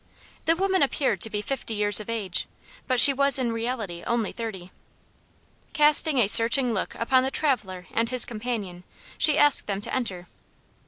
The woman appeared to be fifty years of age, but she was in reality only thirty. Casting a searching look upon the traveler and his companion, she asked them to enter.